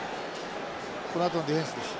このあとのディフェンスです。